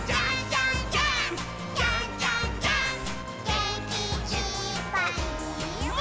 「げんきいっぱいもっと」